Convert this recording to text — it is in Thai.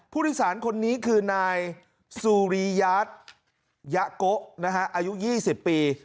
ผู้ธิสารคนนี้คือนายซูรียาตยะโกะนะฮะอายุยี่สิบปี